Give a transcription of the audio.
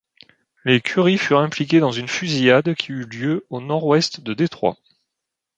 Les Curry furent impliqués dans une fusillade qui eut lieue, au nord-ouest de Detroit.